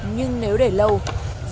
nhưng nếu để lâu rất là khó khăn